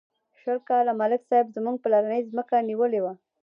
شل کاله ملک صاحب زموږ پلرنۍ ځمکه نیولې وه.